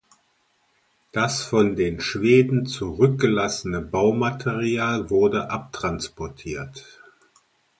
Das von den Schweden zurückgelassene Baumaterial wurde abtransportiert.